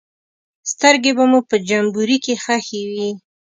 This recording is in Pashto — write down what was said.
سترګې به مو په جمبوري کې ښخې وې.